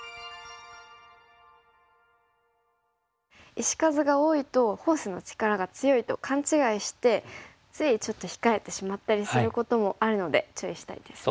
石数が多いとフォースの力が強いと勘違いしてついちょっと控えてしまったりすることもあるので注意したいですね。